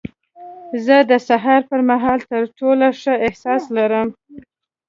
زه د سهار پر مهال تر ټولو ښه احساس لرم.